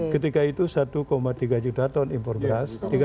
ketika itu satu tiga juta ton impor beras